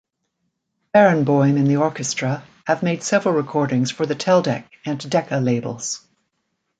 Barenboim and the orchestra have made several recordings for the Teldec and Decca labels.